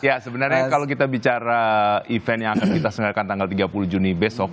ya sebenarnya kalau kita bicara event yang akan kita senggarakan tanggal tiga puluh juni besok